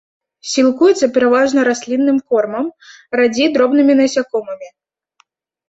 Сілкуецца пераважна раслінным кормам, радзей дробнымі насякомымі.